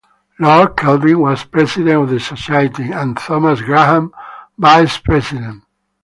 Lord Kelvin was president of the Society and Thomas Graham Vice-President.